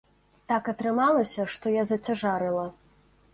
Так атрымалася, што я зацяжарыла.